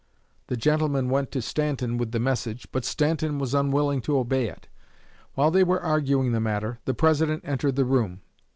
The gentleman went to Stanton with the message, but Stanton was unwilling to obey it. While they were arguing the matter, the President entered the room.